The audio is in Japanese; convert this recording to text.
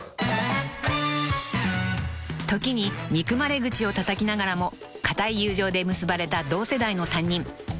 ［時に憎まれ口をたたきながらも固い友情で結ばれた同世代の３人］